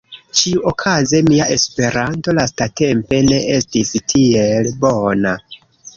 Ĉiuokaze mia Esperanto lastatempe ne estis tiel bona